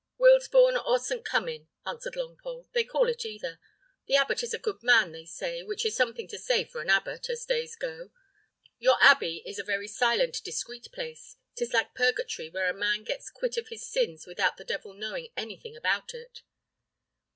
"Wilsbourne or St. Cummin," answered Longpole; "they call it either. The abbot is a good man, they say, which is something to say for an abbot, as days go. Your abbey is a very silent discreet place; 'tis like purgatory, where a man gets quit of his sins without the devil knowing anything about it."